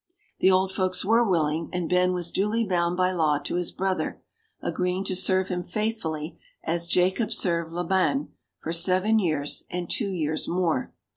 The old folks were willing and Ben was duly bound by law to his brother, agreeing to serve him faithfully, as Jacob served Laban, for seven years and two years more.